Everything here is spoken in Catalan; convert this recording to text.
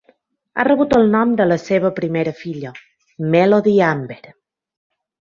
Ha rebut el nom de la seva primera filla, Melody Amber.